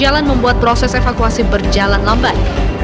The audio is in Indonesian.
jalan membuat proses evakuasi berjalan lambat